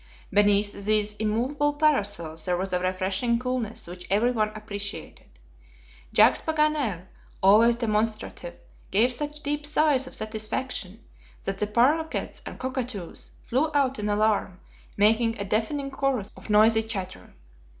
Beneath these immovable parasols there was a refreshing coolness which every one appreciated. Jacques Paganel, always demonstrative, gave such deep sighs of satisfaction that the paroquets and cockatoos flew out in alarm, making a deafening chorus of noisy chatter.